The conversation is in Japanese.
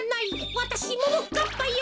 わたしももかっぱよ。